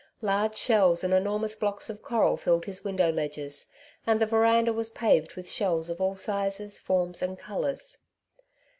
Large shells and enor mous blocks of coral filled his window ledges, and the verandah was paved with shells^ of all sizes, forms, and colours.